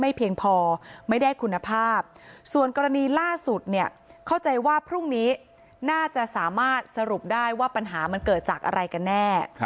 เพียงพอไม่ได้คุณภาพส่วนกรณีล่าสุดเนี่ยเข้าใจว่าพรุ่งนี้น่าจะสามารถสรุปได้ว่าปัญหามันเกิดจากอะไรกันแน่